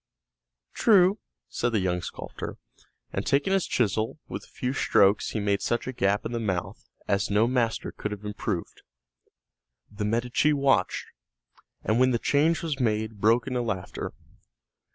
"True," said the young sculptor, and taking his chisel, with a few strokes he made such a gap in the mouth as no master could have improved. The Medici watched, and when the change was made, broke into laughter.